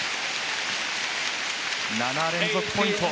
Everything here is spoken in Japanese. ７連続ポイント。